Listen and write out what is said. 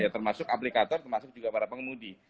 termasuk aplikator termasuk juga para pengemudi